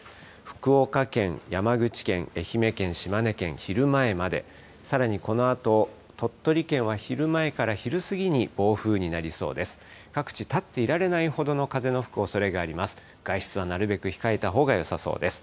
福岡県、山口県、愛媛県、島根県、昼前まで、さらにこのあと、鳥取県は昼前から昼過ぎに暴風になりそうです。